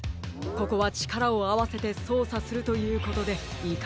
ここはちからをあわせてそうさするということでいかがでしょう？